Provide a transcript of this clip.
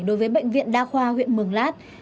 đối với bệnh viện đa khoa huyện mường lát